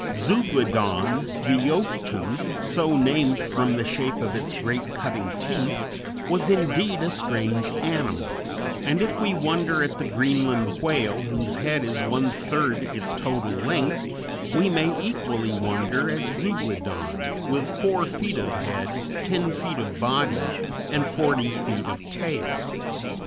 Zeuglodon, the yoke tooth, so named from the shape of its great cutting teeth, was indeed a strange animal, and if we wonder at the Greenland Whale, whose head is one third its total length, we may equally wonder at Zeuglodon, with four feet of head, ten feet of body, and forty feet of tail.